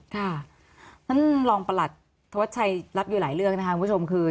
ท่านรองประหลัดธวัชชัยรับอยู่หลายเรื่องนะคะคุณผู้ชมคือ